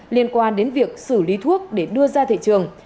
liên quan đến việc xử lý thuốc để đưa ra thị trường